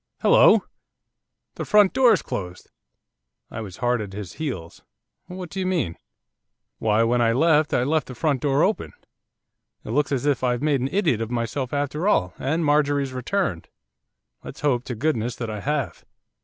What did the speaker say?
'Hullo! The front door's closed!' I was hard at his heels. 'What do you mean?' 'Why, when I went I left the front door open. It looks as if I've made an idiot of myself after all, and Marjorie's returned, let's hope to goodness that I have.